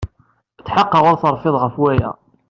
Tḥeqqeɣ ur terfiḍ ɣef waya.